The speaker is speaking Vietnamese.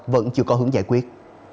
vẫn chưa có hướng giải quyết